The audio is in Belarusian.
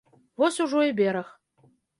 Вось ужо і бераг.